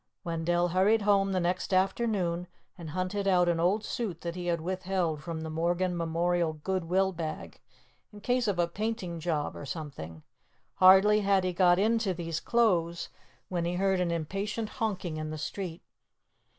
Wendell hurried home the next afternoon and hunted out an old suit that he had withheld from the Morgan Memorial Goodwill bag, in case of a painting job or something. Hardly had he got into these clothes, when he heard an impatient honking in the street.